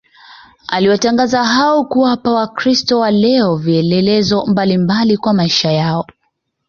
aliwatangaza hao kuwapa wakristo wa leo vielelezo mbalimbali kwa maisha yao